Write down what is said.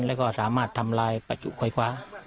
แล้วก็สามารถทำลายปาจุไขว